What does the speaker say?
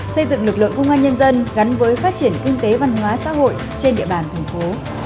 xây dựng lực lượng công an nhân dân gắn với phát triển kinh tế văn hóa xã hội trên địa bàn thành phố